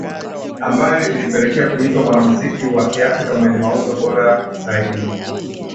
Ambayo ilimpelekea kuitwa Mwanamziki wa Kiafrika mwenye mauzo bora zaidi